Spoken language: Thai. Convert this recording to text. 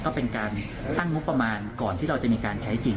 ก็เป็นการตั้งงบประมาณก่อนที่เราจะมีการใช้จริง